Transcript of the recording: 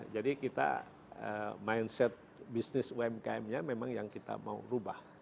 jadi kita mindset bisnis umkmnya memang yang kita mau rubah